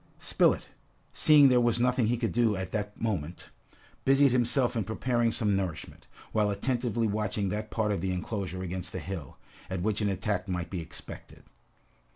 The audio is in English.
Spilett, seeing there was nothing he could do at that moment, busied himself in preparing some nourishment, while attentively watching that part of the enclosure against the hill, at which an attack might be expected.